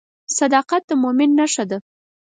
صداقت د مؤمن نښه ده.